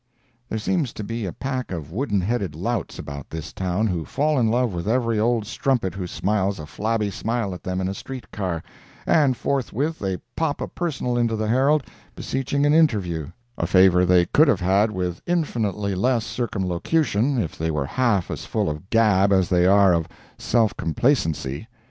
There seems to be a pack of wooden headed louts about this town, who fall in love with every old strumpet who smiles a flabby smile at them in a street car, and forthwith they pop a personal into the Herald, beseeching an "interview"—a favor they could have had with infinitely less circumlocution if they were half as full of gab as they are of self complacency.